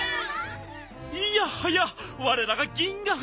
いやはやわれらが銀河フジが。